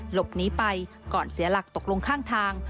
หลบหนีไปก่อนเสียหลักตกลงข้างทาง